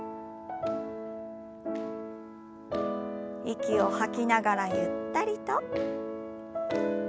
息を吐きながらゆったりと。